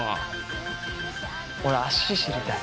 俺足知りたい。